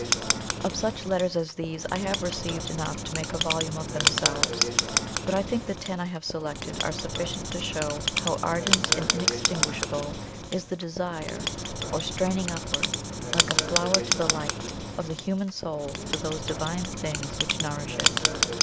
Of such letters as these I have received enough to make a volume of themselves; but I think the ten I have selected are sufficient to show how ardent and inextinguishable is the desire or STRAINING UPWARD, like a flower to the light, of the human Soul for those divine things which nourish it.